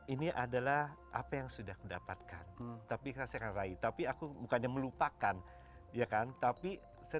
ini adalah apa yang sudah kudapatkan tapi saya akan raih tapi aku bukannya melupakan ya kan tapi saya